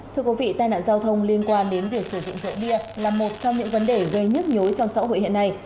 thưa quý vị tai nạn giao thông liên quan đến việc sử dụng rượu bia là một trong những vấn đề gây nhức nhối trong xã hội hiện nay